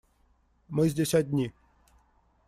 Мы здесь одни.